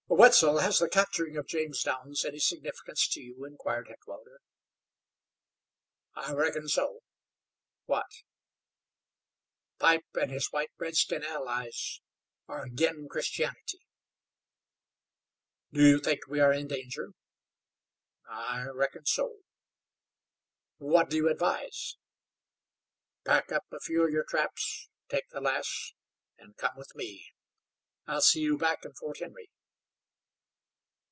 "Wetzel, has the capturing of James Downs any significance to you?" inquired Heckewelder. "I reckon so." "What?" "Pipe an' his white redskin allies are agin Christianity." "Do you think we are in danger?" "I reckon so." "What do you advise?" "Pack up a few of your traps, take the lass, an' come with me. I'll see you back in Fort Henry."